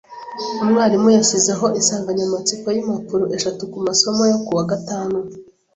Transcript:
Umwarimu yashyizeho insanganyamatsiko yimpapuro eshatu kumasomo yo kuwa gatanu.